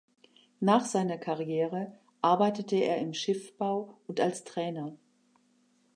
Nach seiner Karriere arbeitete er im Schiffbau und als Trainer.